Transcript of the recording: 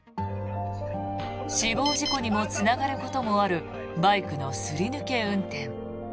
死亡事故にもつながることもあるバイクのすり抜け運転。